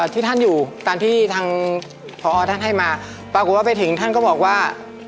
ที่ท่านอยู่ตามที่ทางพอท่านให้มาปรากฏว่าไปถึงท่านก็บอกว่า